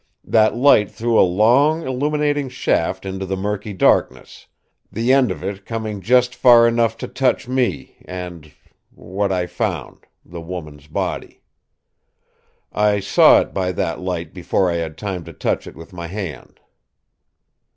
That light threw a long, illuminating shaft into the murky darkness, the end of it coming just far enough to touch me and what I found the woman's body. I saw it by that light before I had time to touch it with my hand."